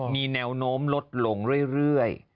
มีแนวโน้มลดลงเรื่อย